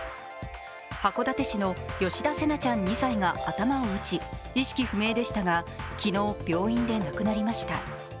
函館市の吉田成那ちゃん２歳が頭を打ち、意識不明でしたが、昨日病院で亡くなりました。